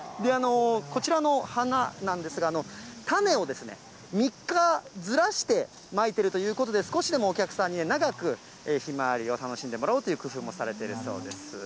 こちらの花なんですが、種を３日ずらしてまいてるということで、少しでもお客さんに長くひまわりを楽しんでもらおうという工夫もされてるそうです。